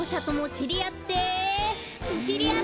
しりあって！